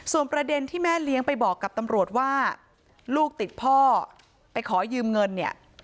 ส่วนประเด็นที่แม่เลี้ยงไปบอกกับตำรวจว่าลูกติดพ่อไปขอยืมเงินเนี่ย